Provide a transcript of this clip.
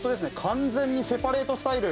完全にセパレートスタイル。